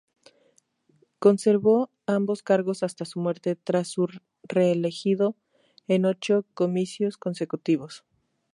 Conservó ambos cargos hasta su muerte, tras ser reelegido en ocho comicios consecutivos.